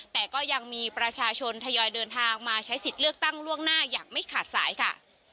แต่ก็ยังมีประชาชนทยอยเดินทางมาใช้สิทธิ์เลือกตั้งล่วงหน้าอย่างไม่ขาดสายค่ะ